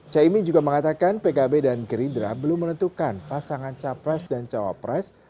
caimin juga mengatakan pkb dan gerindra belum menentukan pasangan capres dan cawapres